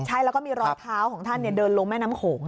ใช่แล้วก็มีรอยเท้าของท่านเดินลงแม่น้ำโขง